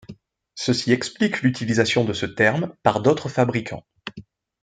Ceci explique l'utilisation de ce terme par d'autres fabricants.